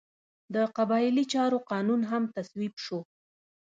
د قبایلي چارو قانون هم تصویب شو.